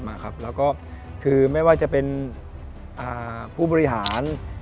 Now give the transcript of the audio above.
มาครับแล้วก็คือไม่ว่าจะเป็นผู้บริหาร